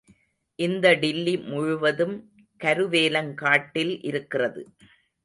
இந்த டில்லி முழுவதும் கருவேலங் காட்டில் இருக்கிறது.